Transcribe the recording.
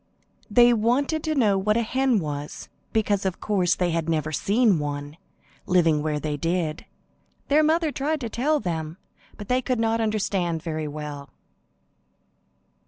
They wanted to know what a hen was, because of course they had never seen one, living where they did. Their mother tried to tell them, but they could not understand very well.